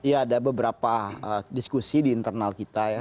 ya ada beberapa diskusi di internal kita ya